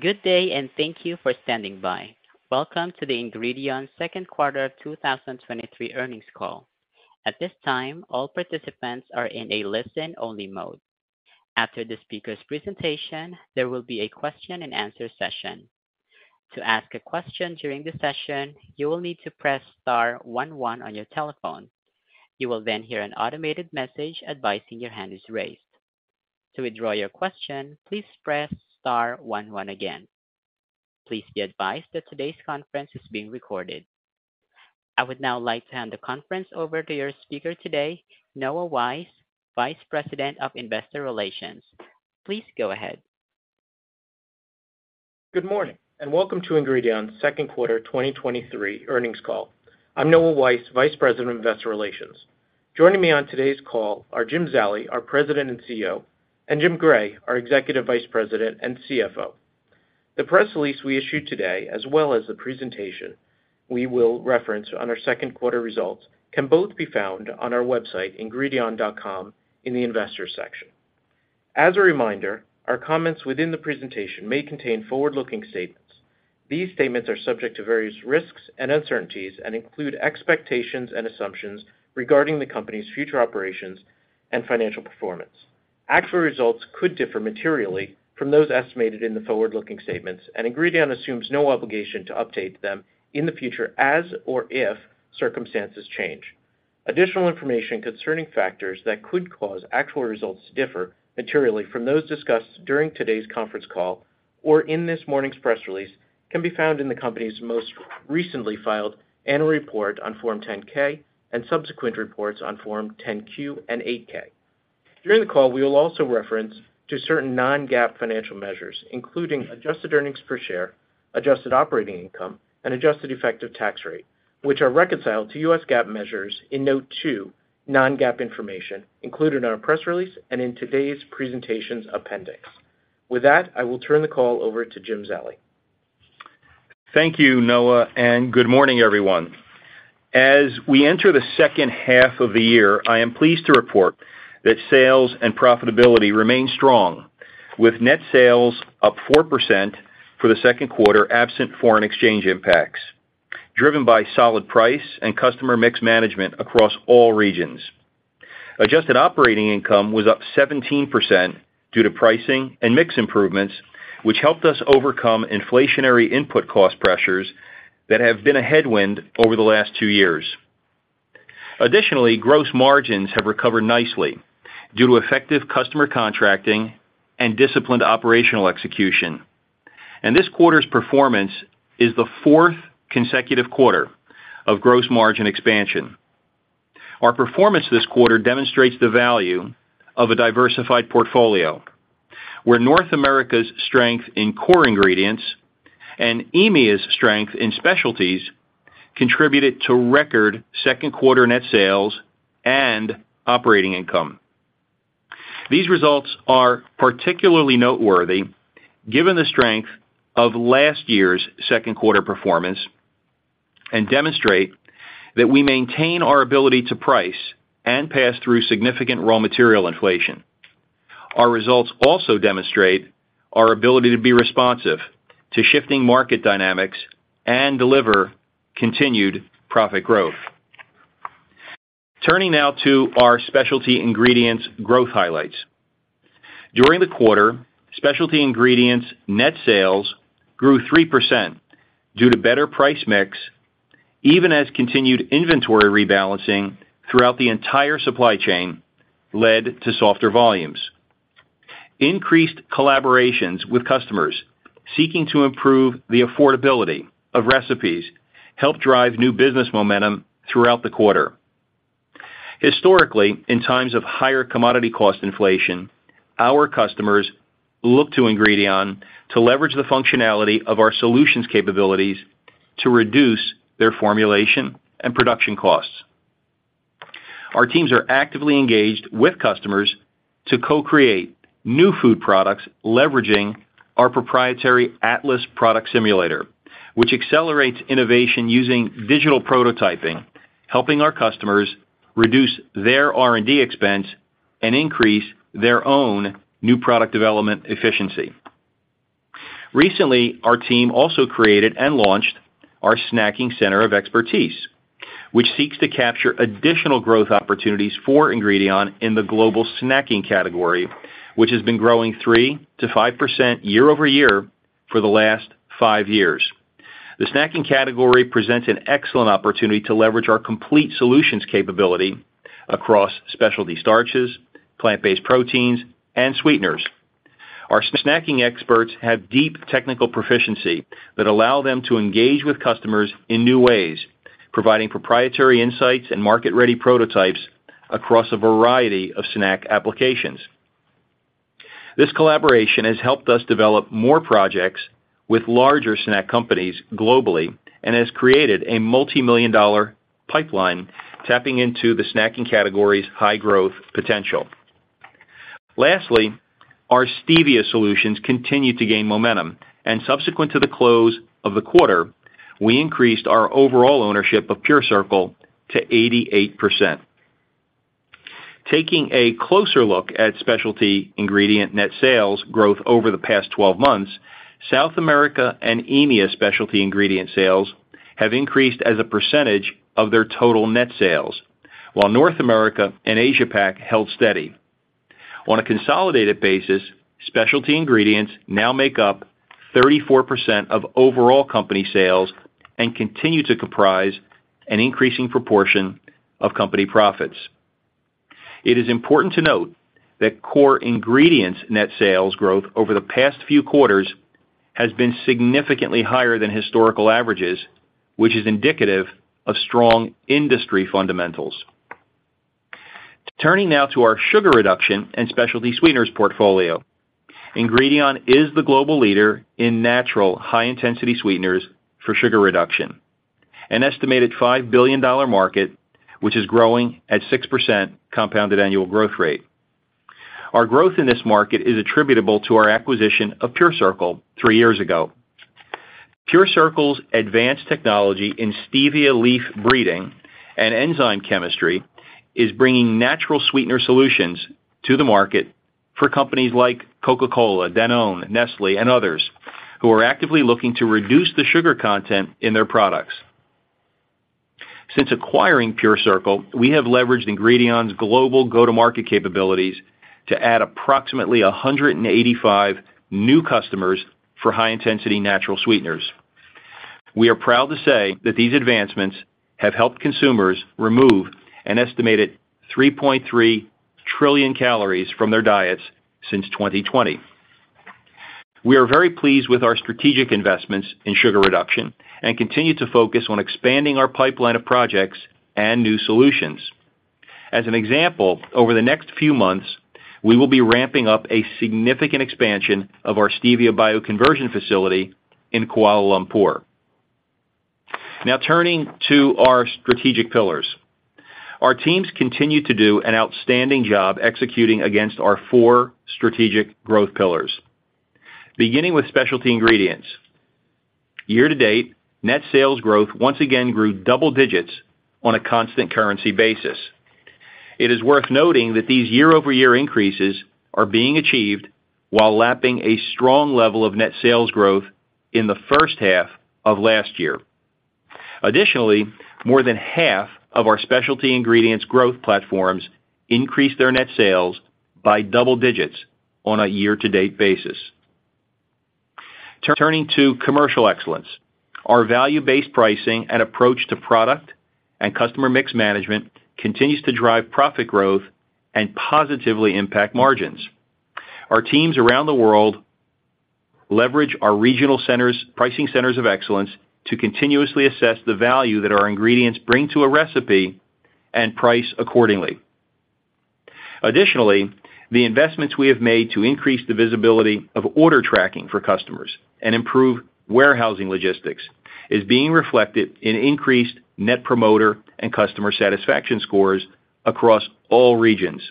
Good day, and thank you for standing by. Welcome to the Ingredion Second Quarter 2023 earnings call. At this time, all participants are in a listen-only mode. After the speaker's presentation, there will be a question-and-answer session. To ask a question during the session, you will need to press star one, one on your telephone. You will then hear an automated message advising your hand is raised. To withdraw your question, please press star one, one again. Please be advised that today's conference is being recorded. I would now like to hand the conference over to your speaker today, Noah Weiss, Vice President of Investor Relations. Please go ahead. Good morning, welcome to Ingredion's second quarter 2023 earnings call. I'm Noah Weiss, Vice President of Investor Relations. Joining me on today's call are Jim Zallie, our President and CEO, and Jim Gray, our Executive Vice President and CFO. The press release we issued today, as well as the presentation we will reference on our second quarter results, can both be found on our website, ingredion.com, in the Investors section. As a reminder, our comments within the presentation may contain forward-looking statements. These statements are subject to various risks and uncertainties and include expectations and assumptions regarding the company's future operations and financial performance. Actual results could differ materially from those estimated in the forward-looking statements, and Ingredion assumes no obligation to update them in the future as or if circumstances change. Additional information concerning factors that could cause actual results to differ materially from those discussed during today's conference call or in this morning's press release can be found in the company's most recently filed annual report on Form 10-K and subsequent reports on Form 10-Q and 8-K. During the call, we will also reference to certain non-GAAP financial measures, including adjusted earnings per share, adjusted operating income, and adjusted effective tax rate, which are reconciled to U.S. GAAP measures in Note two, Non-GAAP Information, included in our press release and in today's presentations appendix. With that, I will turn the call over to Jim Zallie. Thank you, Noah. Good morning, everyone. As we enter the second half of the year, I am pleased to report that sales and profitability remain strong, with net sales up 4% for the second quarter, absent foreign exchange impacts, driven by solid price and customer mix management across all regions. Adjusted operating income was up 17% due to pricing and mix improvements, which helped us overcome inflationary input cost pressures that have been a headwind over the last two years. Additionally, gross margins have recovered nicely due to effective customer contracting and disciplined operational execution. This quarter's performance is the fourth consecutive quarter of gross margin expansion. Our performance this quarter demonstrates the value of a diversified portfolio, where North America's strength in core ingredients and EMEA's strength in specialties contributed to record second quarter net sales and operating income. These results are particularly noteworthy given the strength of last year's second quarter performance and demonstrate that we maintain our ability to price and pass through significant raw material inflation. Our results also demonstrate our ability to be responsive to shifting market dynamics and deliver continued profit growth. Turning now to our specialty ingredients growth highlights. During the quarter, specialty ingredients net sales grew 3% due to better price mix, even as continued inventory rebalancing throughout the entire supply chain led to softer volumes. Increased collaborations with customers seeking to improve the affordability of recipes helped drive new business momentum throughout the quarter. Historically, in times of higher commodity cost inflation, our customers look to Ingredion to leverage the functionality of our solutions capabilities to reduce their formulation and production costs. Our teams are actively engaged with customers to co-create new food products, leveraging our proprietary ATLAS product simulator, which accelerates innovation using digital prototyping, helping our customers reduce their R&D expense and increase their own new product development efficiency. Recently, our team also created and launched our Snacking Center of Expertise, which seeks to capture additional growth opportunities for Ingredion in the global snacking category, which has been growing 3%-5% year-over-year for the last 5 years. The snacking category presents an excellent opportunity to leverage our complete solutions capability across specialty starches, plant-based proteins, and sweeteners. Our snacking experts have deep technical proficiency that allow them to engage with customers in new ways, providing proprietary insights and market-ready prototypes across a variety of snack applications. This collaboration has helped us develop more projects with larger snack companies globally and has created a multimillion-dollar pipeline tapping into the snacking category's high growth potential. Lastly, our stevia solutions continue to gain momentum, and subsequent to the close of the quarter, we increased our overall ownership of PureCircle to 88%. Taking a closer look at specialty ingredient net sales growth over the past 12 months, South America and EMEA specialty ingredient sales have increased as a percentage of their total net sales, while North America and Asia PAC held steady. On a consolidated basis, specialty ingredients now make up 34% of overall company sales and continue to comprise an increasing proportion of company profits. It is important to note that core ingredients net sales growth over the past few quarters has been significantly higher than historical averages, which is indicative of strong industry fundamentals. Turning now to our sugar reduction and specialty sweeteners portfolio. Ingredion is the global leader in natural, high-intensity sweeteners for sugar reduction, an estimated $5 billion market, which is growing at 6% compounded annual growth rate. Our growth in this market is attributable to our acquisition of PureCircle three years ago. PureCircle's advanced technology in stevia leaf breeding and enzyme chemistry is bringing natural sweetener solutions to the market for companies like The Coca-Cola Company, Danone, Nestlé, and others, who are actively looking to reduce the sugar content in their products. Since acquiring PureCircle, we have leveraged Ingredion's global go-to-market capabilities to add approximately 185 new customers for high-intensity natural sweeteners. We are proud to say that these advancements have helped consumers remove an estimated 3.3 trillion calories from their diets since 2020. We are very pleased with our strategic investments in sugar reduction and continue to focus on expanding our pipeline of projects and new solutions. As an example, over the next few months, we will be ramping up a significant expansion of our stevia bioconversion facility in Kuala Lumpur. Turning to our strategic pillars. Our teams continue to do an outstanding job executing against our four strategic growth pillars. Beginning with specialty ingredients, year-to-date, net sales growth once again grew double digits on a constant currency basis. It is worth noting that these year-over-year increases are being achieved while lapping a strong level of net sales growth in the first half of last year. Additionally, more than half of our specialty ingredients growth platforms increased their net sales by double digits on a year-to-date basis. Turning to commercial excellence, our value-based pricing and approach to product and customer mix management continues to drive profit growth and positively impact margins. Our teams around the world leverage our regional centers, pricing centers of excellence, to continuously assess the value that our ingredients bring to a recipe and price accordingly. Additionally, the investments we have made to increase the visibility of order tracking for customers and improve warehousing logistics is being reflected in increased Net Promoter and customer satisfaction scores across all regions.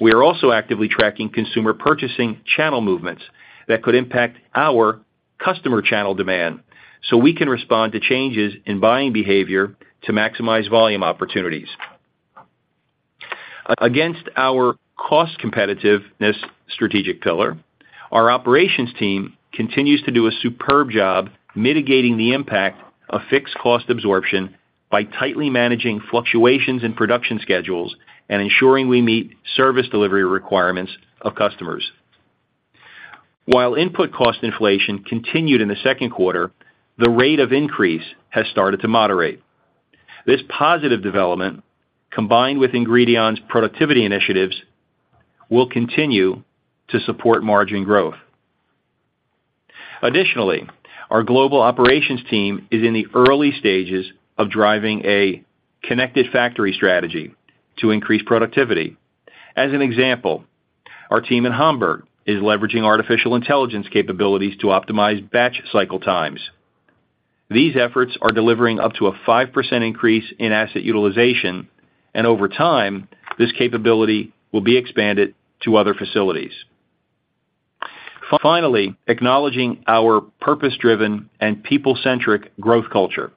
We are also actively tracking consumer purchasing channel movements that could impact our customer channel demand, so we can respond to changes in buying behavior to maximize volume opportunities. Against our cost competitiveness strategic pillar, our operations team continues to do a superb job mitigating the impact of fixed cost absorption by tightly managing fluctuations in production schedules and ensuring we meet service delivery requirements of customers. While input cost inflation continued in the second quarter, the rate of increase has started to moderate. This positive development, combined with Ingredion's productivity initiatives, will continue to support margin growth. Additionally, our global operations team is in the early stages of driving a connected factory strategy to increase productivity. As an example, our team in Hamburg is leveraging artificial intelligence capabilities to optimize batch cycle times. These efforts are delivering up to a 5% increase in asset utilization, and over time, this capability will be expanded to other facilities. Finally, acknowledging our purpose-driven and people-centric growth culture,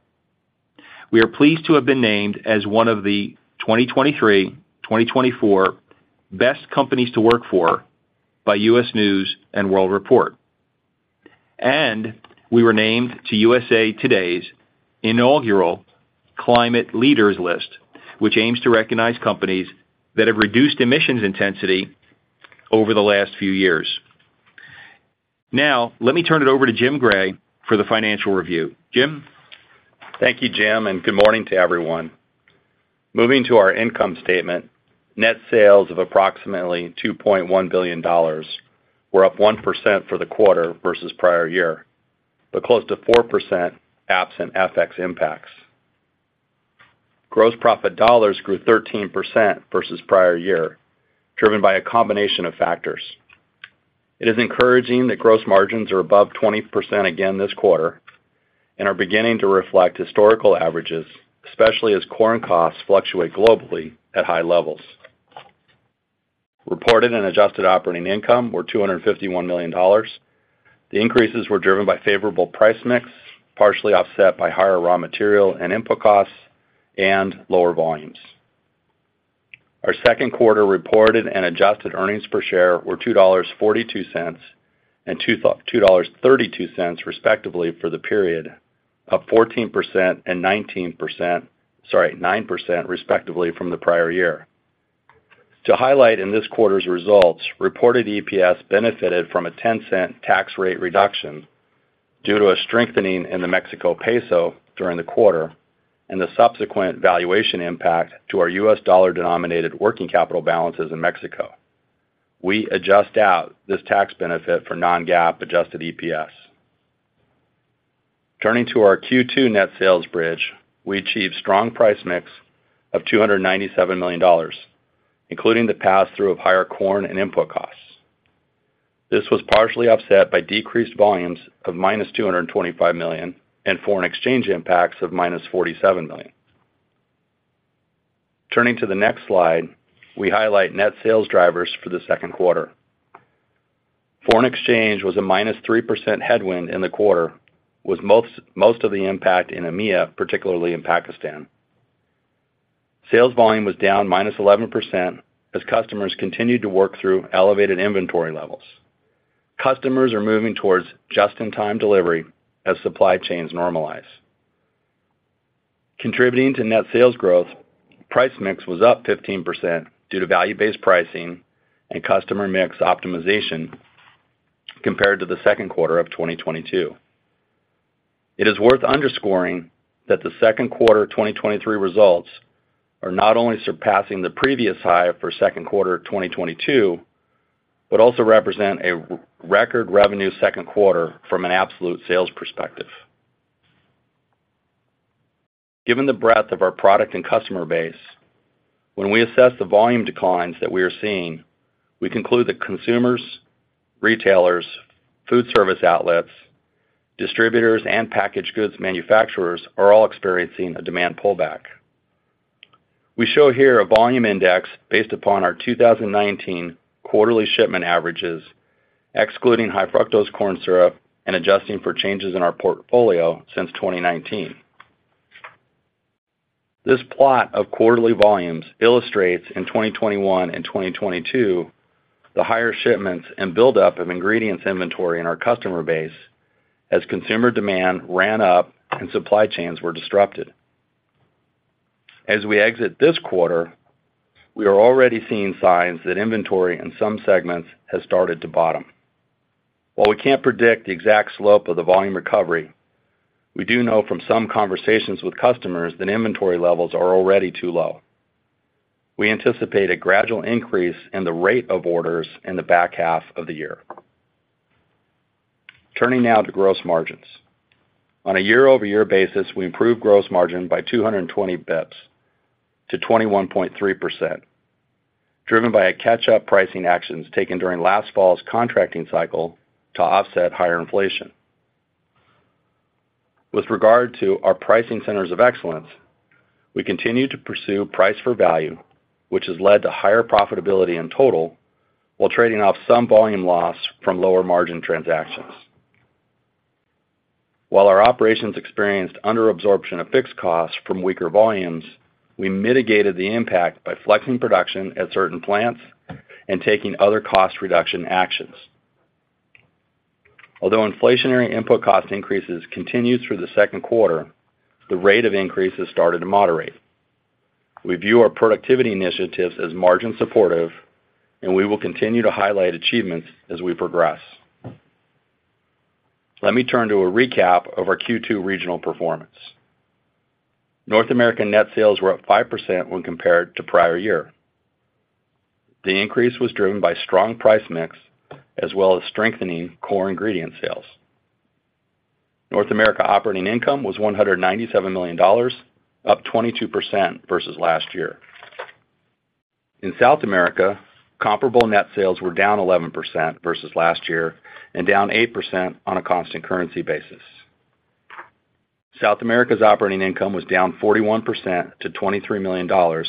we are pleased to have been named as one of the 2023, 2024 Best Companies to Work For by U.S. News & World Report. We were named to USA Today's inaugural Climate Leaders list, which aims to recognize companies that have reduced emissions intensity over the last few years. Now, let me turn it over to Jim Gray for the financial review. Jim? Thank you, Jim. Good morning to everyone. Moving to our income statement, net sales of approximately $2.1 billion were up 1% for the quarter versus prior year, close to 4% absent FX impacts. Gross profit dollars grew 13% versus prior year, driven by a combination of factors. It is encouraging that gross margins are above 20% again this quarter and are beginning to reflect historical averages, especially as corn costs fluctuate globally at high levels. Reported and adjusted operating income were $251 million. The increases were driven by favorable price mix, partially offset by higher raw material and input costs and lower volumes. Our second quarter reported and adjusted earnings per share were $2.42 and 2.32, respectively, for the period, up 14% and 9% respectively from the prior year. To highlight in this quarter's results, reported EPS benefited from a 0.10 tax rate reduction due to a strengthening in the Mexican peso during the quarter and the subsequent valuation impact to our U.S. dollar-denominated working capital balances in Mexico. We adjust out this tax benefit for non-GAAP adjusted EPS. Turning to our Q2 net sales bridge, we achieved strong price mix of $297 million, including the pass-through of higher corn and input costs. This was partially offset by decreased volumes of -225 million and foreign exchange impacts of -47 million. Turning to the next slide, we highlight net sales drivers for the second quarter. Foreign exchange was a -3% headwind in the quarter, with most of the impact in EMEA, particularly in Pakistan. Sales volume was down -11%, as customers continued to work through elevated inventory levels. Customers are moving towards just-in-time delivery as supply chains normalize. Contributing to net sales growth, price mix was up 15% due to value-based pricing and customer mix optimization compared to the second quarter of 2022. It is worth underscoring that the second quarter of 2023 results are not only surpassing the previous high for second quarter of 2022, but also represent a record revenue second quarter from an absolute sales perspective. Given the breadth of our product and customer base, when we assess the volume declines that we are seeing, we conclude that consumers, retailers, food service outlets, distributors, and packaged goods manufacturers are all experiencing a demand pullback. We show here a volume index based upon our 2019 quarterly shipment averages, excluding high fructose corn syrup and adjusting for changes in our portfolio since 2019. This plot of quarterly volumes illustrates, in 2021 and 2022, the higher shipments and buildup of ingredients inventory in our customer base as consumer demand ran up and supply chains were disrupted. As we exit this quarter, we are already seeing signs that inventory in some segments has started to bottom. While we can't predict the exact slope of the volume recovery, we do know from some conversations with customers that inventory levels are already too low. We anticipate a gradual increase in the rate of orders in the back half of the year. Turning now to gross margins. On a year-over-year basis, we improved gross margin by 220 basis points to 21.3%, driven by catch-up pricing actions taken during last fall's contracting cycle to offset higher inflation. With regard to our pricing centers of excellence, we continue to pursue price for value, which has led to higher profitability in total, while trading off some volume loss from lower margin transactions. While our operations experienced underabsorption of fixed costs from weaker volumes, we mitigated the impact by flexing production at certain plants and taking other cost reduction actions. Although inflationary input cost increases continued through the second quarter, the rate of increases started to moderate. We view our productivity initiatives as margin supportive, and we will continue to highlight achievements as we progress. Let me turn to a recap of our Q2 regional performance. North American net sales were up 5% when compared to prior year. The increase was driven by strong price mix, as well as strengthening core ingredient sales. North America operating income was $197 million, up 22% versus last year. In South America, comparable net sales were down 11% versus last year and down 8% on a constant currency basis. South America's operating income was down 41% to $23 million,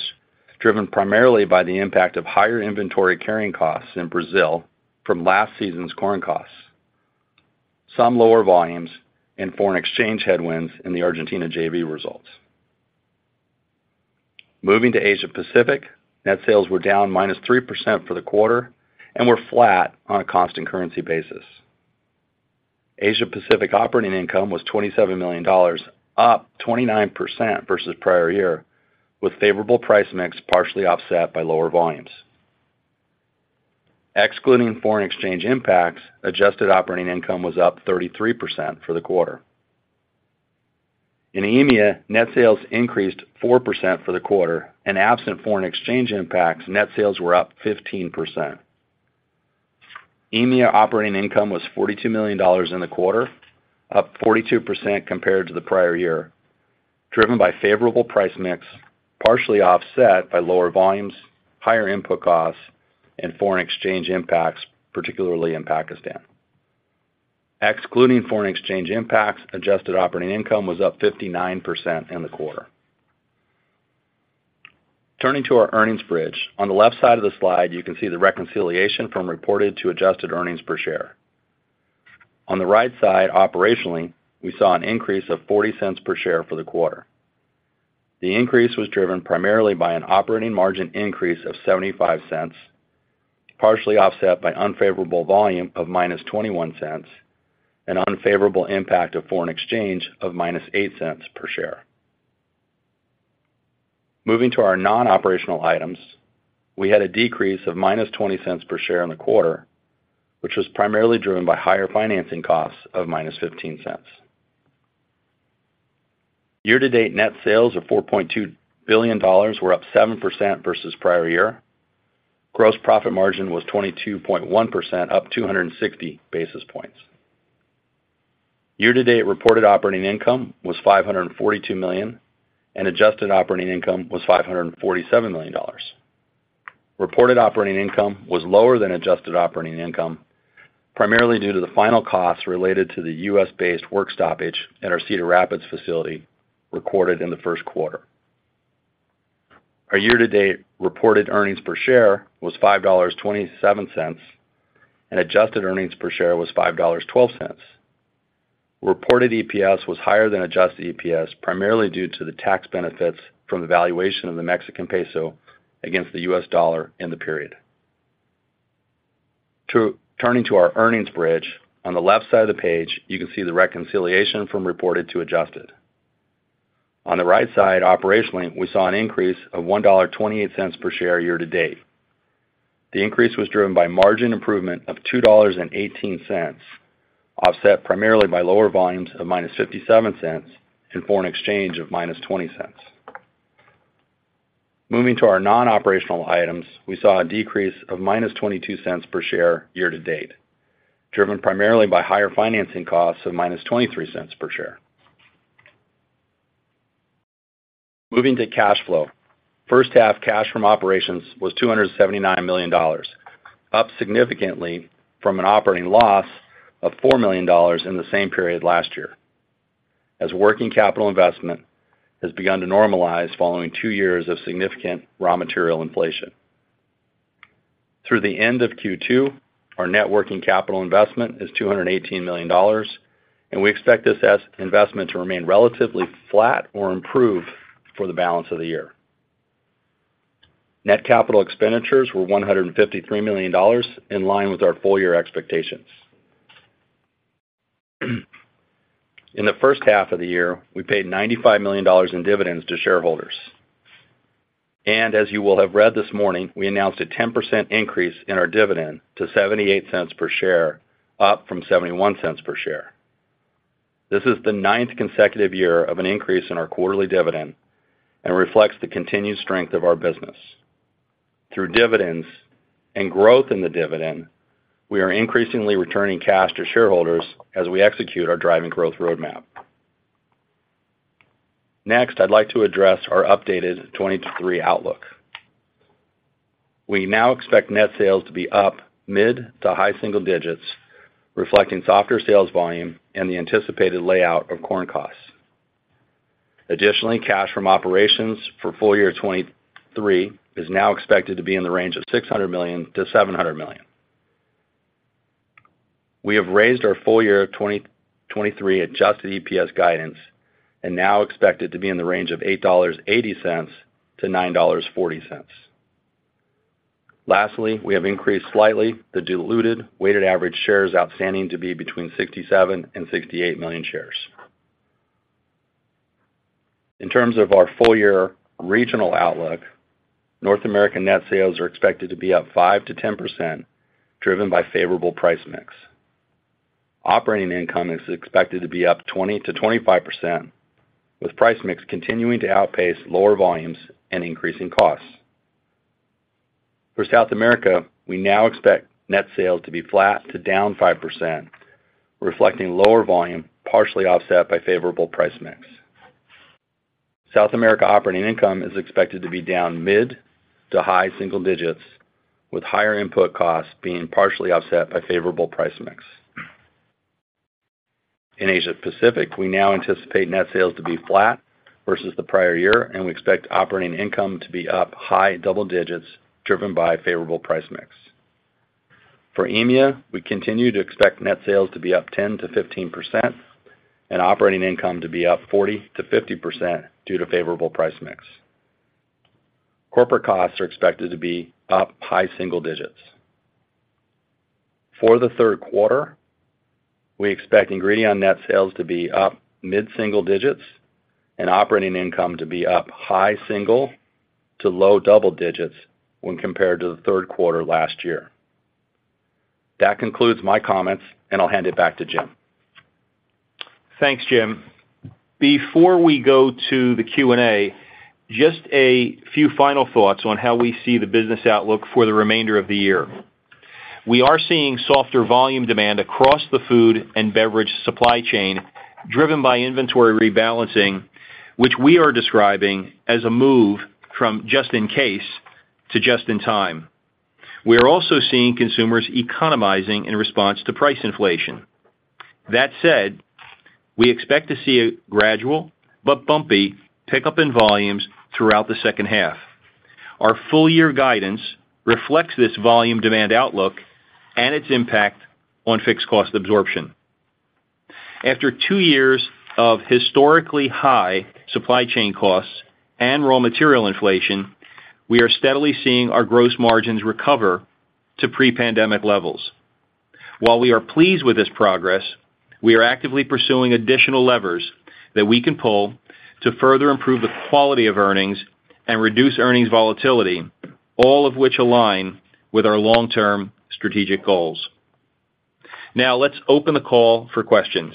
driven primarily by the impact of higher inventory carrying costs in Brazil from last season's corn costs, some lower volumes and foreign exchange headwinds in the Argentina JV results. Moving to Asia Pacific, net sales were down -3% for the quarter and were flat on a constant currency basis. Asia Pacific operating income was $27 million, up 29% versus prior-year, with favorable price mix partially offset by lower volumes. Excluding foreign exchange impacts, adjusted operating income was up 33% for the quarter. In EMEA, net sales increased 4% for the quarter, and absent foreign exchange impacts, net sales were up 15%. EMEA operating income was $42 million in the quarter, up 42% compared to the prior-year, driven by favorable price mix, partially offset by lower volumes, higher input costs, and foreign exchange impacts, particularly in Pakistan. Excluding foreign exchange impacts, adjusted operating income was up 59% in the quarter. Turning to our earnings bridge, on the left side of the slide, you can see the reconciliation from reported to adjusted earnings per share. On the right side, operationally, we saw an increase of 0.40 per share for the quarter. The increase was driven primarily by an operating margin increase of 0.75, partially offset by unfavorable volume of minus $0.21 and unfavorable impact of foreign exchange of minus 0.08 per share. Moving to our non-operational items, we had a decrease of minus 0.20 per share in the quarter, which was primarily driven by higher financing costs of minus 0.15. Year-to-date net sales of $4.2 billion were up 7% versus prior year. Gross profit margin was 22.1%, up 260 basis points. Year-to-date reported operating income was 542 million, and adjusted operating income was 547 million. Reported operating income was lower than adjusted operating income, primarily due to the final costs related to the U.S.-based work stoppage at our Cedar Rapids facility recorded in the first quarter. Our year-to-date reported earnings per share was $5.27, and adjusted earnings per share was $5.12. Reported EPS was higher than adjusted EPS, primarily due to the tax benefits from the valuation of the Mexican peso against the U.S. dollar in the period. Turning to our earnings bridge, on the left side of the page, you can see the reconciliation from reported to adjusted. On the right side, operationally, we saw an increase of $1.28 per share year-to-date. The increase was driven by margin improvement of $2.18, offset primarily by lower volumes of -0.57 and foreign exchange of -0.20. Moving to our non-operational items, we saw a decrease of -0.22 per share year to date, driven primarily by higher financing costs of -0.23 per share. Moving to cash flow. First half cash from operations was $279 million, up significantly from an operating loss of $4 million in the same period last year, as working capital investment has begun to normalize following two years of significant raw material inflation. Through the end of Q2, our net working capital investment is $218 million, and we expect this investment to remain relatively flat or improve for the balance of the year. Net capital expenditures were $153 million, in line with our full year expectations. In the first half of the year, we paid $95 million in dividends to shareholders. As you will have read this morning, we announced a 10% increase in our dividend to 0.78 per share, up from 0.71 per share. This is the ninth consecutive year of an increase in our quarterly dividend and reflects the continued strength of our business. Through dividends and growth in the dividend, we are increasingly returning cash to shareholders as we execute our Driving Growth Roadmap. Next, I'd like to address our updated 2023 outlook. We now expect net sales to be up mid to high single digits, reflecting softer sales volume and the anticipated layout of corn costs. Additionally, cash from operations for full year 2023 is now expected to be in the range of 600 million-700 million. We have raised our full year 2023 adjusted EPS guidance and now expect it to be in the range of $8.80-$9.40. Lastly, we have increased slightly the diluted weighted average shares outstanding to be between 67 million and 68 million shares. In terms of our full year regional outlook, North American net sales are expected to be up 5%-10%, driven by favorable price mix. Operating income is expected to be up 20%-25%, with price mix continuing to outpace lower volumes and increasing costs. For South America, we now expect net sales to be flat to down 5%, reflecting lower volume, partially offset by favorable price mix. South America operating income is expected to be down mid-to-high single digits, with higher input costs being partially offset by favorable price mix. In Asia Pacific, we now anticipate net sales to be flat versus the prior year, and we expect operating income to be up high double digits, driven by favorable price mix. For EMEA, we continue to expect net sales to be up 10%-15% and operating income to be up 40%-50% due to favorable price mix. Corporate costs are expected to be up high single digits. For the third quarter, we expect Ingredion net sales to be up mid-single digits and operating income to be up high single-to-low double digits when compared to the third quarter last year. That concludes my comments, and I'll hand it back to Jim. Thanks, Jim. Before we go to the Q&A, just a few final thoughts on how we see the business outlook for the remainder of the year. We are seeing softer volume demand across the food and beverage supply chain, driven by inventory rebalancing, which we are describing as a move from just-in-case to just-in-time. We are also seeing consumers economizing in response to price inflation. That said, we expect to see a gradual but bumpy pickup in volumes throughout the second half. Our full-year guidance reflects this volume demand outlook and its impact on fixed cost absorption. After two years of historically high supply chain costs and raw material inflation, we are steadily seeing our gross margins recover to pre-pandemic levels. While we are pleased with this progress, we are actively pursuing additional levers that we can pull to further improve the quality of earnings and reduce earnings volatility, all of which align with our long-term strategic goals. Now, let's open the call for questions.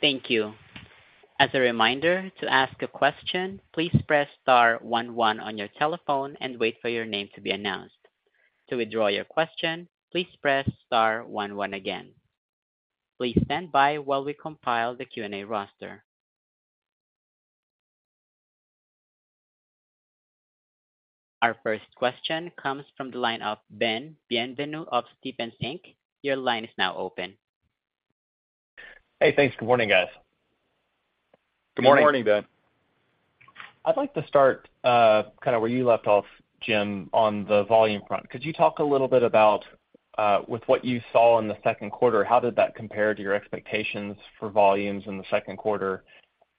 Thank you. As a reminder, to ask a question, please press star 1 1 on your telephone and wait for your name to be announced. To withdraw your question, please press star 1 1 again. Please stand by while we compile the Q&A roster. Our first question comes from the line of Ben Bienvenu of Stephens Inc. Your line is now open. Hey, thanks. Good morning, guys. Good morning. Good morning, Ben. I'd like to start, kind of where you left off, Jim, on the volume front. Could you talk a little bit about, with what you saw in the second quarter, how did that compare to your expectations for volumes in the second quarter?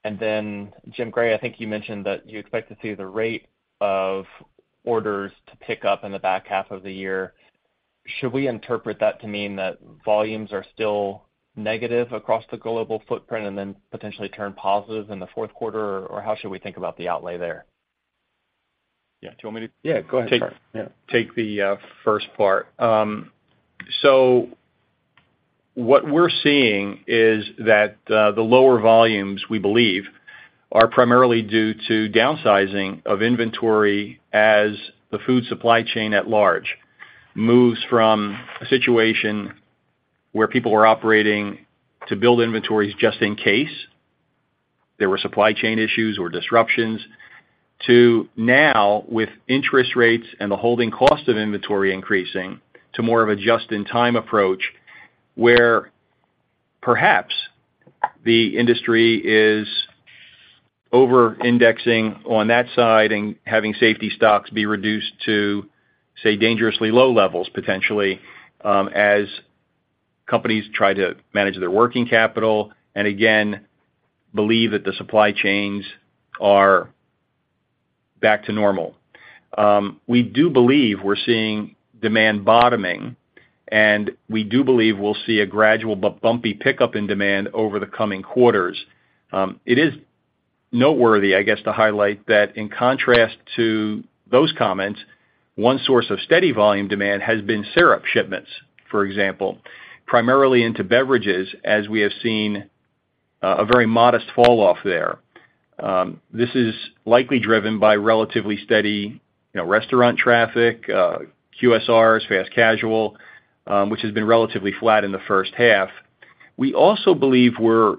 Jim Gray, I think you mentioned that you expect to see the rate of orders to pick up in the back half of the year. Should we interpret that to mean that volumes are still negative across the global footprint and then potentially turn positive in the fourth quarter? How should we think about the outlay there? Yeah. Do you want me to- Yeah, go ahead. Take, yeah, take the first part. What we're seeing is that the lower volumes, we believe, are primarily due to downsizing of inventory as the food supply chain at large moves from a situation where people were operating to build inventories just-in-case there were supply chain issues or disruptions, to now, with interest rates and the holding cost of inventory increasing, to more of a just-in-time approach, where perhaps the industry is over-indexing on that side and having safety stocks be reduced to, say, dangerously low levels, potentially, as companies try to manage their working capital and again, believe that the supply chains are back to normal. We do believe we're seeing demand bottoming, we do believe we'll see a gradual but bumpy pickup in demand over the coming quarters. It is noteworthy, I guess, to highlight that in contrast to those comments, one source of steady volume demand has been syrup shipments, for example, primarily into beverages, as we have seen a very modest falloff there. This is likely driven by relatively steady, you know, restaurant traffic, QSRs, fast casual, which has been relatively flat in the first half. We also believe we're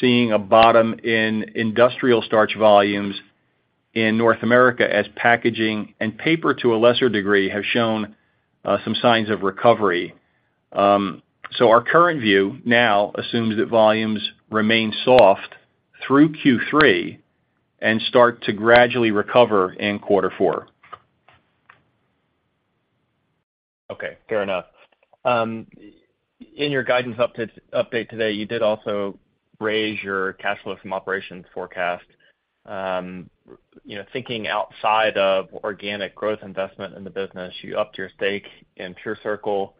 seeing a bottom in industrial starch volumes in North America, as packaging and paper, to a lesser degree, have shown some signs of recovery. Our current view now assumes that volumes remain soft through Q3 and start to gradually recover in quarter four. Okay, fair enough. In your guidance update today, you did also raise your cash flow from operations forecast. You know, thinking outside of organic growth investment in the business, you upped your stake in PureCircle.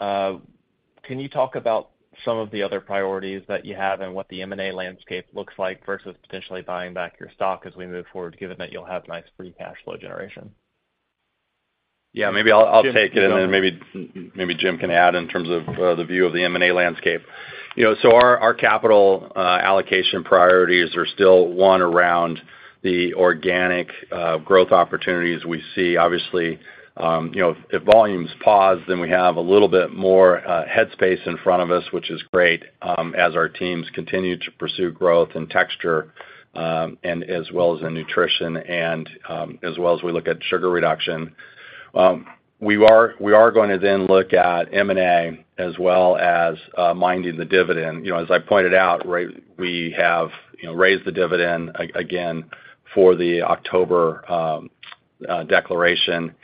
Can you talk about some of the other priorities that you have and what the M&A landscape looks like versus potentially buying back your stock as we move forward, given that you'll have nice free cash flow generation? Yeah, maybe I'll, I'll take it, and then maybe, maybe Jim can add in terms of the view of the M&A landscape. You know, our capital allocation priorities are still, one, around the organic growth opportunities we see. Obviously, you know, if volumes pause, then we have a little bit more head space in front of us, which is great, as our teams continue to pursue growth and texture, and as well as in nutrition and as well as we look at sugar reduction. We are, we are going to then look at M&A as well as minding the dividend. You know, as I pointed out, right, we have, you know, raised the dividend again for the October declaration,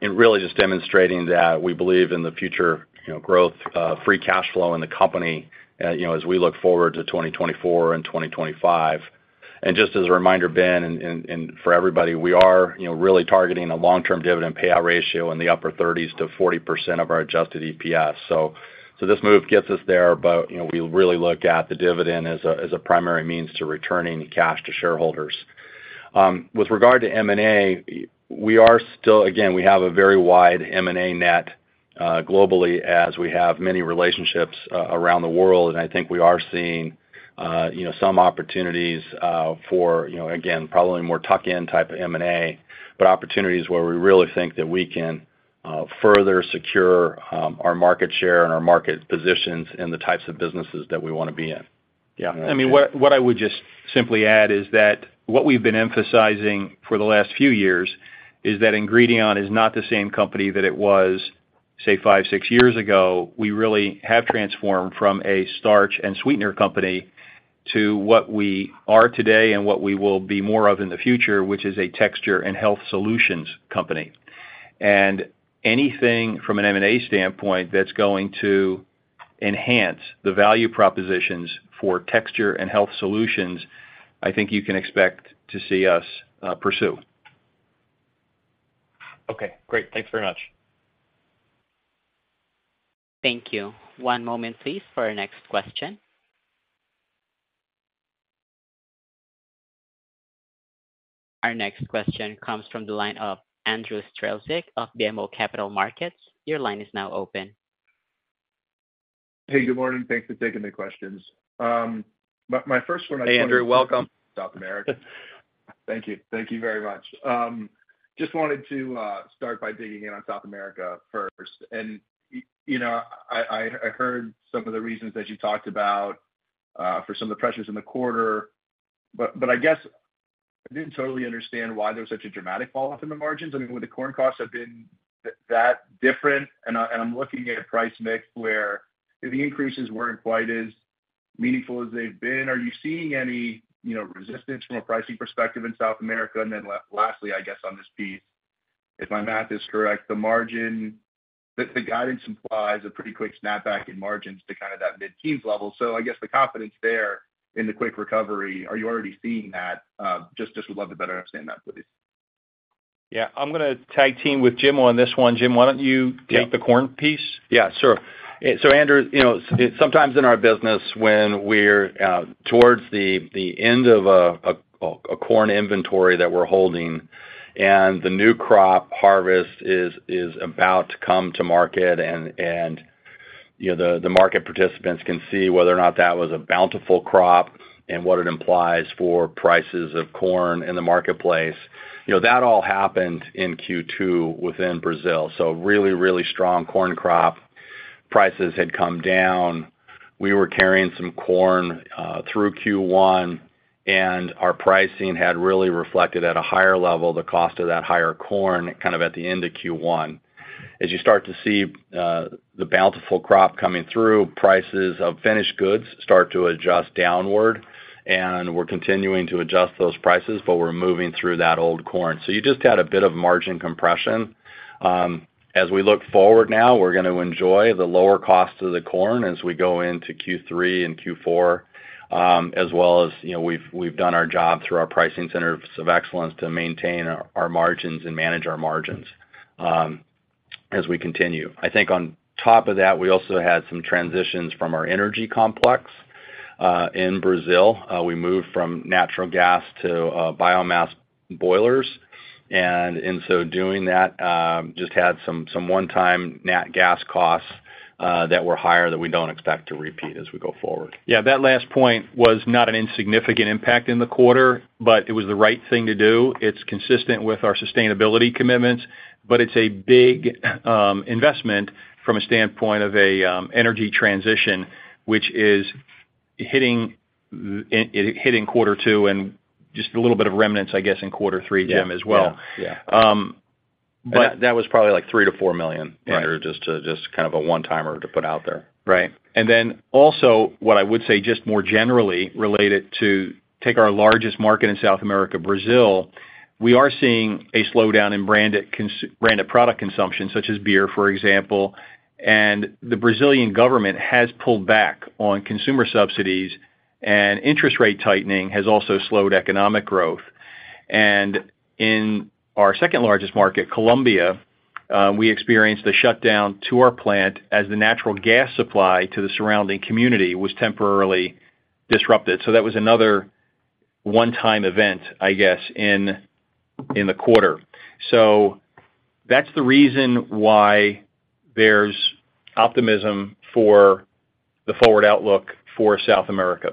and really just demonstrating that we believe in the future, you know, growth, free cash flow in the company, you know, as we look forward to 2024 and 2025. Just as a reminder, Ben, and for everybody, we are, you know, really targeting a long-term dividend payout ratio in the upper 30s-40% of our adjusted EPS. This move gets us there, but, you know, we really look at the dividend as a primary means to returning cash to shareholders. With regard to M&A, we are still. Again, we have a very wide M&A net, globally, as we have many relationships around the world. I think we are seeing, you know, some opportunities, for, you know, again, probably more tuck-in type M&A, but opportunities where we really think that we can, further secure, our market share and our market positions in the types of businesses that we wanna be in. Yeah, I mean, what, what I would just simply add is that what we've been emphasizing for the last few years is that Ingredion is not the same company that it was, say, five, six years ago. We really have transformed from a starch and sweetener company to what we are today and what we will be more of in the future, which is a texture and health solutions company. Anything from an M&A standpoint that's going to enhance the value propositions for texture and health solutions, I think you can expect to see us pursue. Okay, great. Thanks very much. Thank you. One moment please, for our next question. Our next question comes from the line of Andrew Strelzik of BMO Capital Markets. Your line is now open. Hey, good morning. Thanks for taking the questions. My first one. Hey, Andrew, welcome. South America. Thank you. Thank you very much. Just wanted to start by digging in on South America first. You know, I, I, I heard some of the reasons that you talked about for some of the pressures in the quarter, but I guess I didn't totally understand why there was such a dramatic falloff in the margins. I mean, when the corn costs have been that different, and I, and I'm looking at a price mix where the increases weren't quite as meaningful as they've been. Are you seeing any, you know, resistance from a pricing perspective in South America? Lastly, I guess, on this piece, if my math is correct, the margin, the guidance implies a pretty quick snapback in margins to kind of that mid-teens level. I guess the confidence there in the quick recovery, are you already seeing that? Just, just would love to better understand that, please. Yeah. I'm gonna tag team with Jim on this one. Jim, why don't you take the corn piece? Yeah, sure. Andrew, you know, sometimes in our business, when we're towards the end of a corn inventory that we're holding, and the new crop harvest is about to come to market, and, you know, the market participants can see whether or not that was a bountiful crop and what it implies for prices of corn in the marketplace, you know, that all happened in Q2 within Brazil. Really, really strong corn crop. Prices had come down. We were carrying some corn through Q1, and our pricing had really reflected at a higher level, the cost of that higher corn, kind of at the end of Q1. As you start to see the bountiful crop coming through, prices of finished goods start to adjust downward, and we're continuing to adjust those prices, but we're moving through that old corn. You just had a bit of margin compression. As we look forward now, we're gonna enjoy the lower cost of the corn as we go into Q3 and Q4, as well as, you know, we've, we've done our job through our pricing centers of excellence to maintain our, our margins and manage our margins as we continue. I think on top of that, we also had some transitions from our energy complex in Brazil. We moved from natural gas to biomass boilers, and in so doing that, just had some, some one-time nat gas costs that were higher that we don't expect to repeat as we go forward. Yeah, that last point was not an insignificant impact in the quarter, but it was the right thing to do. It's consistent with our sustainability commitments, but it's a big investment from a standpoint of a energy transition, which it hit in Q2 and just a little bit of remnants, I guess, in Q3, Jim, as well. Yeah. Yeah. That was probably, like, 3 million-4 million- Right Andrew, just kind of a one-timer to put out there. Right. Then also, what I would say, just more generally related to take our largest market in South America, Brazil, we are seeing a slowdown in branded product consumption, such as beer, for example, the Brazilian government has pulled back on consumer subsidies, and interest rate tightening has also slowed economic growth. In our second largest market, Colombia, we experienced a shutdown to our plant as the natural gas supply to the surrounding community was temporarily disrupted. That was another one-time event, I guess, in the quarter. That's the reason why there's optimism for the forward outlook for South America.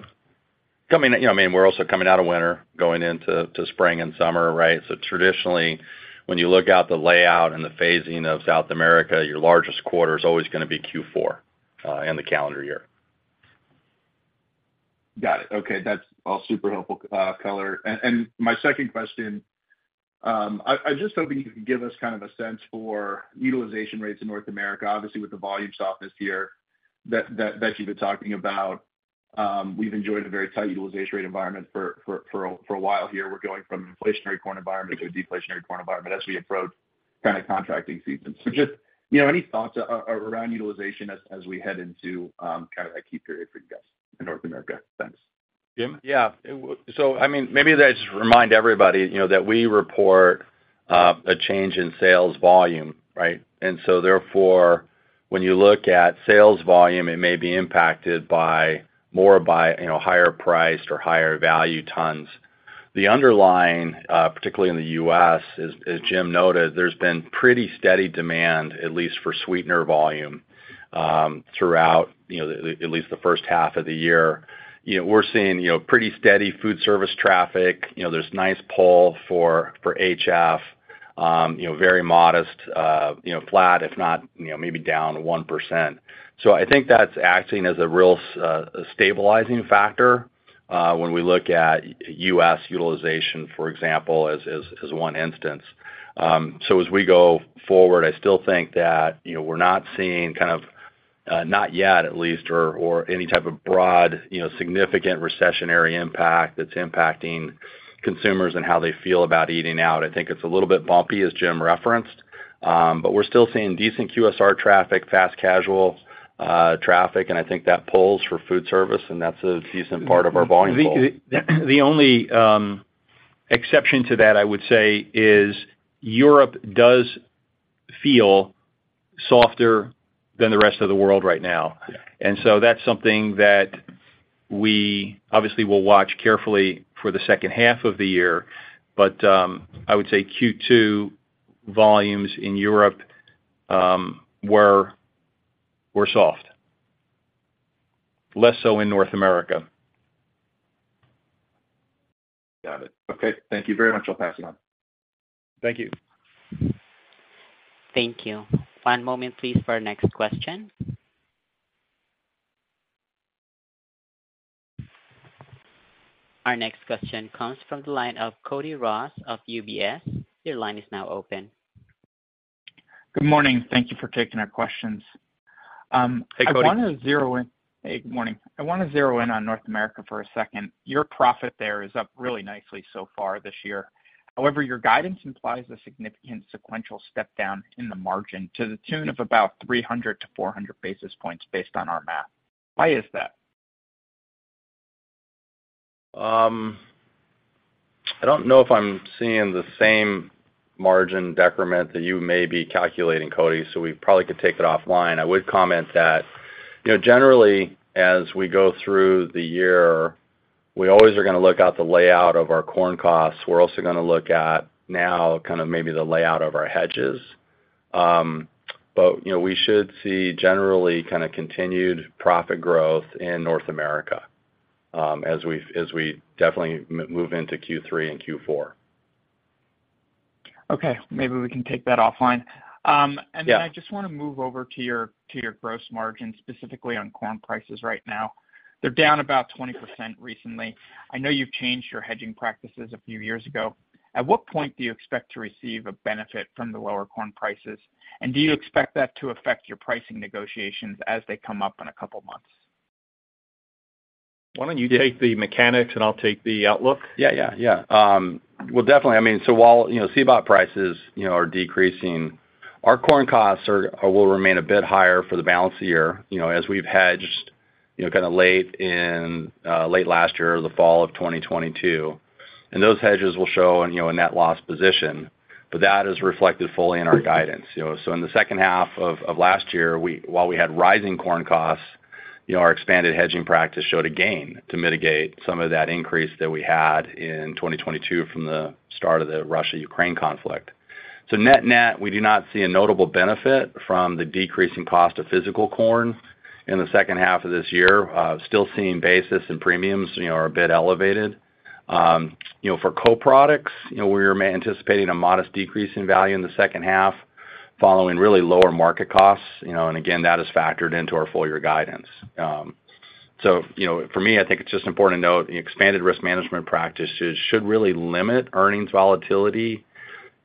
You know, I mean, we're also coming out of winter, going into spring and summer, right? Traditionally, when you look out the layout and the phasing of South America, your largest quarter is always gonna be Q4 in the calendar year. Got it. Okay, that's all super helpful color. And my second question, I, I'm just hoping you can give us kind of a sense for utilization rates in North America. Obviously, with the volume soft this year that, that, that you've been talking about, we've enjoyed a very tight utilization rate environment for, for, for, for a while here. We're going from an inflationary corn environment to a deflationary corn environment as we approach kind of contracting season. Just, you know, any thoughts around utilization as, as we head into, kind of that key period for you guys in North America? Thanks. Jim? Yeah. So, I mean, maybe I just remind everybody, you know, that we report a change in sales volume, right? Therefore, when you look at sales volume, it may be impacted by, more by, you know, higher priced or higher value tons. The underlying, particularly in the U.S., as Jim noted, there's been pretty steady demand, at least for sweetener volume, throughout, you know, at least the first half of the year. You know, we're seeing, you know, pretty steady food service traffic. You know, there's nice pull for, for HF, you know, very modest, you know, flat, if not, you know, maybe down 1%. I think that's acting as a real stabilizing factor when we look at U.S. utilization, for example, as, as, as one instance. As we go forward, I still think that, you know, we're not seeing kind of, not yet, at least, or, or any type of broad, you know, significant recessionary impact that's impacting consumers and how they feel about eating out. I think it's a little bit bumpy, as Jim referenced. We're still seeing decent QSR traffic, fast casual, traffic, and I think that pulls for food service, and that's a decent part of our volume goal. The, the, the only exception to that, I would say, is Europe does feel softer than the rest of the world right now. So that's something that we obviously will watch carefully for the second half of the year. I would say Q2 volumes in Europe were, were soft. Less so in North America. Got it. Okay. Thank you very much. I'll pass it on. Thank you. Thank you. One moment, please, for our next question. Our next question comes from the line of Cody Ross of UBS. Your line is now open. Good morning. Thank you for taking our questions. Hey, Cody. I wanna zero in. Hey, good morning. I wanna zero in on North America for a second. Your profit there is up really nicely so far this year. However, your guidance implies a significant sequential step down in the margin to the tune of about 300-400 basis points, based on our math. Why is that? I don't know if I'm seeing the same margin decrement that you may be calculating, Cody, so we probably could take it offline. I would comment that, you know, generally, as we go through the year, we always are gonna look at the layout of our corn costs. We're also gonna look at now, kind of maybe the layout of our hedges. But, you know, we should see generally kind of continued profit growth in North America, as we, as we definitely move into Q3 and Q4. Okay. Maybe we can take that offline. Yeah. Then I just want to move over to your, to your gross margin, specifically on corn prices right now. They're down about 20% recently. I know you've changed your hedging practices a few years ago. At what point do you expect to receive a benefit from the lower corn prices? Do you expect that to affect your pricing negotiations as they come up in a couple of months? Why don't you take the mechanics, and I'll take the outlook? Yeah, yeah, yeah. Well, definitely. I mean, while, you know, CBOT prices, you know, are decreasing, our corn costs are, will remain a bit higher for the balance of the year, you know, as we've hedged, you know, kind of late in, late last year, the fall of 2022. Those hedges will show in, you know, a net loss position, but that is reflected fully in our guidance. You know, in the second half of, of last year, we-- while we had rising corn costs, you know, our expanded hedging practice showed a gain to mitigate some of that increase that we had in 2022 from the start of the Russia-Ukraine conflict. Net-net, we do not see a notable benefit from the decreasing cost of physical corn in the second half of this year. Still seeing basis and premiums, you know, are a bit elevated. You know, for co-products, you know, we're anticipating a modest decrease in value in the second half, following really lower market costs, you know, and again, that is factored into our full year guidance. You know, for me, I think it's just important to note, expanded risk management practices should really limit earnings volatility,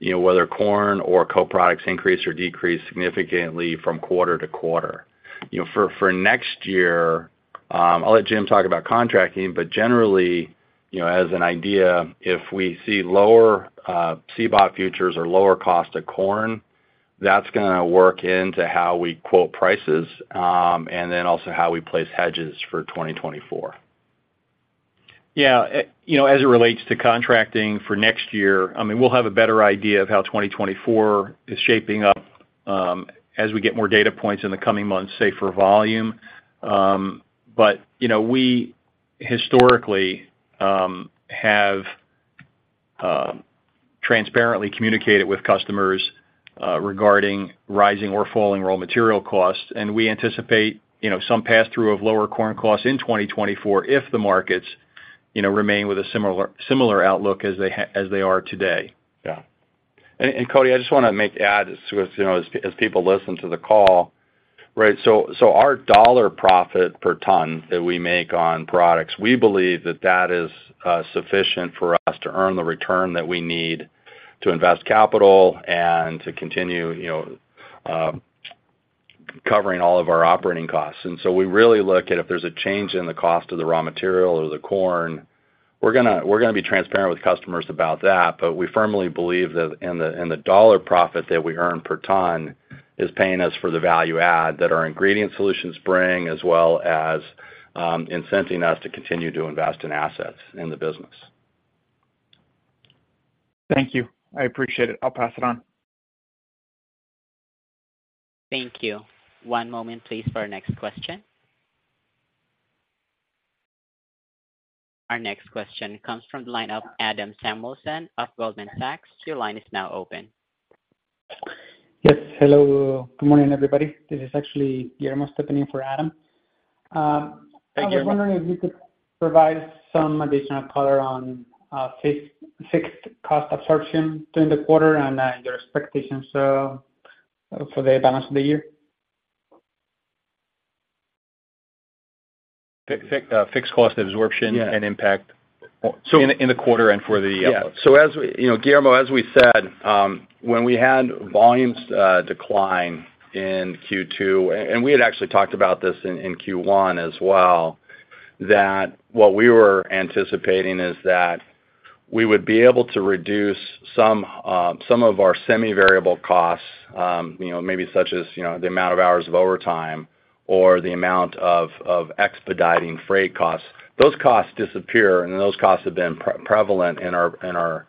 you know, whether corn or co-products increase or decrease significantly from quarter to quarter. You know, for, for next year, I'll let Jim talk about contracting, but generally, you know, as an idea, if we see lower CBOT futures or lower cost of corn, that's gonna work into how we quote prices, and then also how we place hedges for 2024. Yeah, you know, as it relates to contracting for next year, I mean, we'll have a better idea of how 2024 is shaping up, as we get more data points in the coming months, say, for volume. But, you know, we historically, have transparently communicated with customers, regarding rising or falling raw material costs, and we anticipate, you know, some pass-through of lower corn costs in 2024 if the markets, you know, remain with a similar, similar outlook as they are today. Yeah. Cody, I just wanna add, as, you know, as, as people listen to the call, right? Our dollar profit per ton that we make on products, we believe that that is sufficient for us to earn the return that we need to invest capital and to continue, you know, covering all of our operating costs. We really look at if there's a change in the cost of the raw material or the corn, we're gonna, we're gonna be transparent with customers about that. We firmly believe that in the, in the dollar profit that we earn per ton is paying us for the value add, that our ingredient solutions bring, as well as, incenting us to continue to invest in assets in the business. Thank you. I appreciate it. I'll pass it on. Thank you. One moment, please, for our next question. Our next question comes from the line of Adam Samuelson of Goldman Sachs. Your line is now open. Yes, hello. Good morning, everybody. This is actually Guillermo Pecoriello stepping in for Adam. Hi, Guillermo. I was wondering if you could provide some additional color on fixed cost absorption during the quarter and your expectations for the balance of the year? Fixed cost absorption Yeah and impact? In the quarter and for the outlook. Yeah. As we, you know, Guillermo Pecoriello, as we said, when we had volumes, decline in Q2, and we had actually talked about this in, in Q1 as well, that what we were anticipating is that we would be able to reduce some, some of our semi-variable costs, you know, maybe such as, you know, the amount of hours of overtime or the amount of, of expediting freight costs. Those costs disappear, and those costs have been prevalent in our, in our,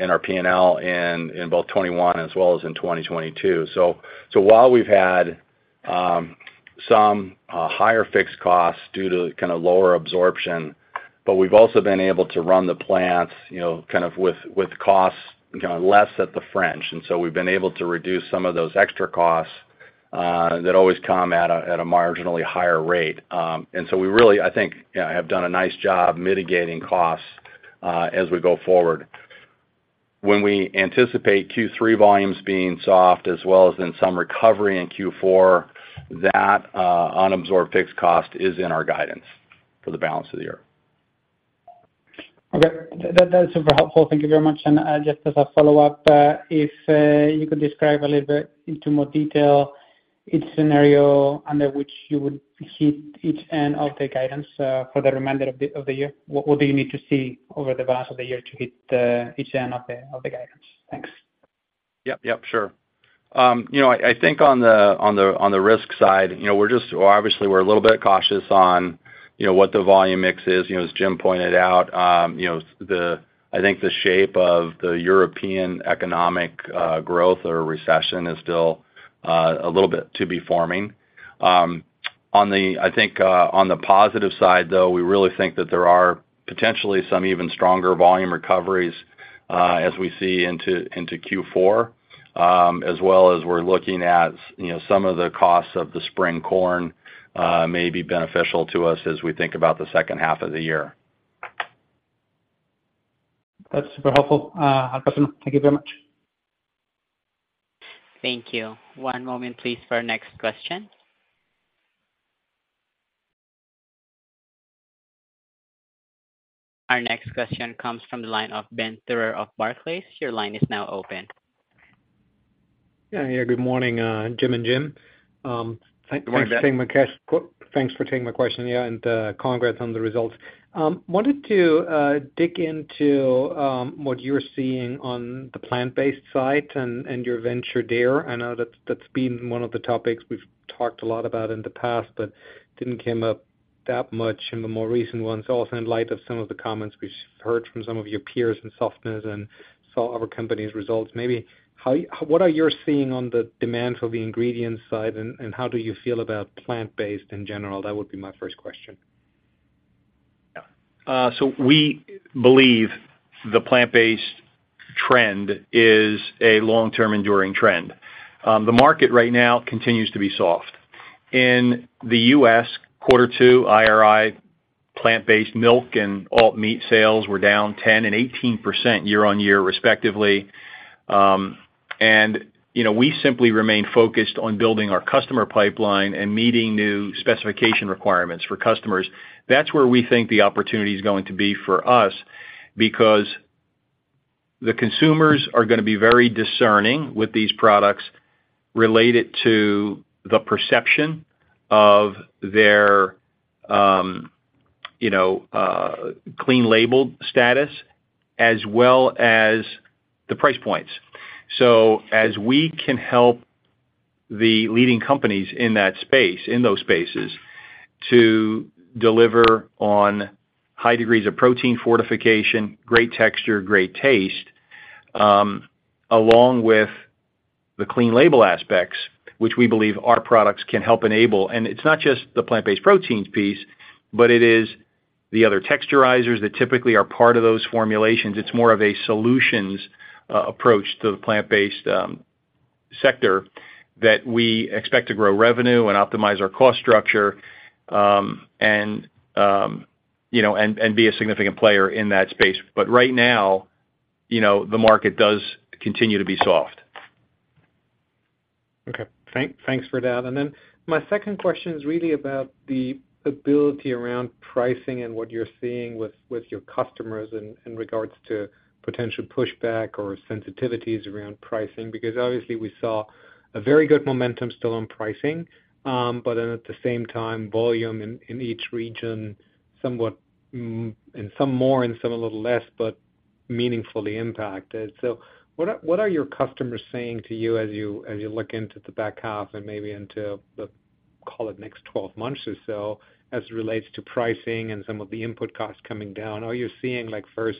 in our P&L in, in both 2021 as well as in 2022. While we've had, some, higher fixed costs due to kind of lower absorption, but we've also been able to run the plants, you know, kind of with, with costs, kind of less at the fringe. We've been able to reduce some of those extra costs, that always come at a, at a marginally higher rate. We really, I think, have done a nice job mitigating costs, as we go forward. When we anticipate Q3 volumes being soft as well as in some recovery in Q4, that unabsorbed fixed cost is in our guidance for the balance of the year. Okay. That, that's super helpful. Thank you very much. Just as a follow-up, if you could describe a little bit into more detail each scenario under which you would hit each end of the guidance for the remainder of the year. What, what do you need to see over the balance of the year to hit each end of the guidance? Thanks. Yep, yep, sure. You know, I, I think on the risk side, you know, we're obviously a little bit cautious on, you know, what the volume mix is. You know, as Jim pointed out, you know, I think the shape of the European economic growth or recession is still a little bit to be forming. On the, I think, on the positive side, though, we really think that there are potentially some even stronger volume recoveries as we see into Q4. As well as we're looking at, you know, some of the costs of the spring corn may be beneficial to us as we think about the second half of the year. That's super helpful, awesome. Thank you very much. Thank you. One moment, please, for our next question. Our next question comes from the line of Ben Theurer of Barclays. Your line is now open. Yeah, yeah, good morning, Jim and Jim. Thank you. Thanks, Mukesh. Thanks for taking my question, yeah, and congrats on the results. Wanted to dig into what you're seeing on the plant-based side and your venture there. I know that's been one of the topics we've talked a lot about in the past, but didn't come up that much in the more recent ones. In light of some of the comments we've heard from some of your peers in softness and saw other companies' results, what are you seeing on the demand for the ingredients side, and how do you feel about plant-based in general? That would be my first question. Yeah. So we believe the plant-based trend is a long-term, enduring trend. The market right now continues to be soft. In the U.S., quarter 2, IRI, plant-based milk and alt meat sales were down 10% and 18% year-over-year, respectively. You know, we simply remain focused on building our customer pipeline and meeting new specification requirements for customers. That's where we think the opportunity is going to be for us, because the consumers are gonna be very discerning with these products related to the perception of their, you know, clean labeled status, as well as the price points. As we can help the leading companies in that space, in those spaces, to deliver on high degrees of protein fortification, great texture, great taste, along with the clean label aspects, which we believe our products can help enable. It's not just the plant-based proteins piece, but it is the other texturizers that typically are part of those formulations. It's more of a solutions approach to the plant-based sector that we expect to grow revenue and optimize our cost structure, you know, and be a significant player in that space. Right now, you know, the market does continue to be soft. Okay. Thank, thanks for that. My second question is really about the ability around pricing and what you're seeing with, with your customers in, in regards to potential pushback or sensitivities around pricing. Obviously, we saw a very good momentum still on pricing, but then at the same time, volume in, in each region, somewhat, in some more and some a little less, but meaningfully impacted. What are, what are your customers saying to you as you, as you look into the back half and maybe into the, call it, next 12 months or so, as it relates to pricing and some of the input costs coming down? Are you seeing, like, first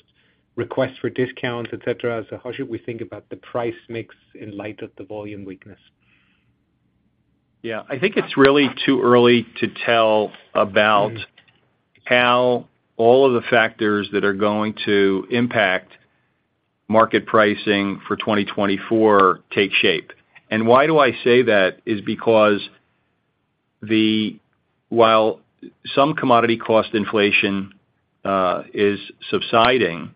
requests for discounts, et cetera? How should we think about the price mix in light of the volume weakness? Yeah, I think it's really too early to tell about how all of the factors that are going to impact market pricing for 2024 take shape. Why do I say that? Is because while some commodity cost inflation is subsiding,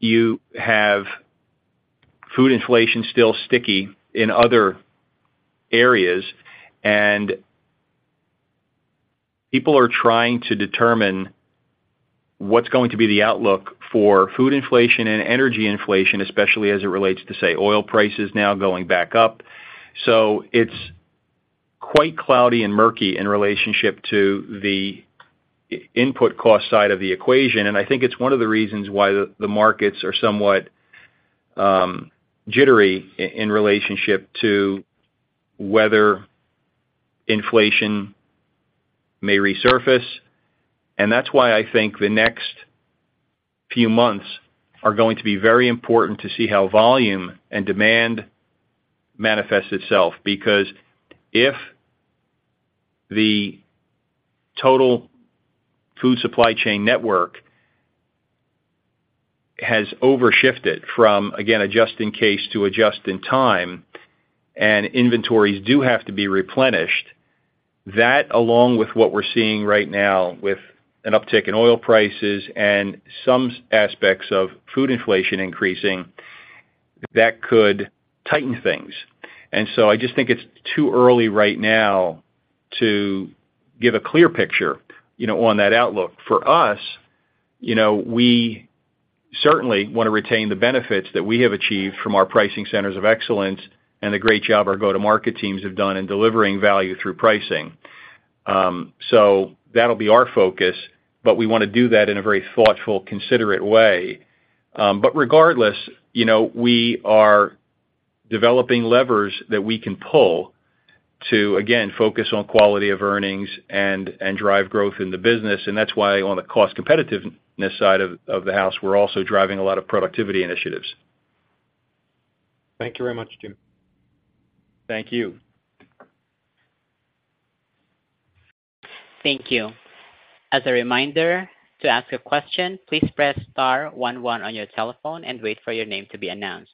you have food inflation still sticky in other areas, and people are trying to determine what's going to be the outlook for food inflation and energy inflation, especially as it relates to, say, oil prices now going back up. It's quite cloudy and murky in relationship to the input cost side of the equation. I think it's one of the reasons why the markets are somewhat jittery in relationship to whether inflation may resurface. That's why I think the next few months are going to be very important to see how volume and demand manifests itself. Because if the total food supply chain network has overshifted from, again, just-in-case to just-in-time, and inventories do have to be replenished, that, along with what we're seeing right now with an uptick in oil prices and some aspects of food inflation increasing, that could tighten things. I just think it's too early right now to give a clear picture, you know, on that outlook. For us, you know, we certainly want to retain the benefits that we have achieved from our pricing centers of excellence and the great job our go-to-market teams have done in delivering value through pricing. That'll be our focus, but we wanna do that in a very thoughtful, considerate way. Regardless, you know, we are developing levers that we can pull to, again, focus on quality of earnings and, and drive growth in the business, and that's why on the cost competitiveness side of, of the house, we're also driving a lot of productivity initiatives. Thank you very much, Jim. Thank you. Thank you. As a reminder, to ask a question, please press star 11 on your telephone and wait for your name to be announced.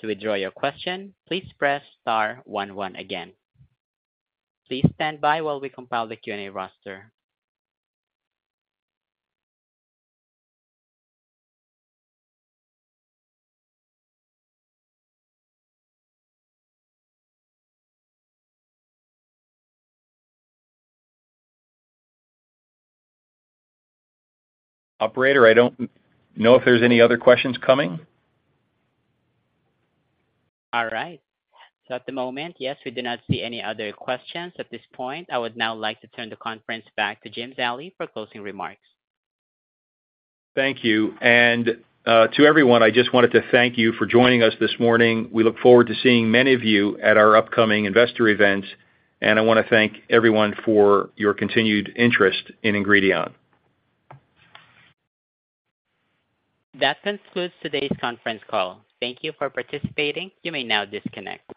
To withdraw your question, please press star 11 again. Please stand by while we compile the Q&A roster. Operator, I don't know if there's any other questions coming? All right. At the moment, yes, we do not see any other questions at this point. I would now like to turn the conference back to Jim Zallie for closing remarks. Thank you. To everyone, I just wanted to thank you for joining us this morning. We look forward to seeing many of you at our upcoming investor event, and I wanna thank everyone for your continued interest in Ingredion. That concludes today's conference call. Thank you for participating. You may now disconnect.